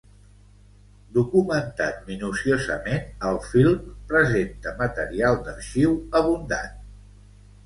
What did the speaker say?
Documentat minuciosament, el film presenta material d’arxiu abundant.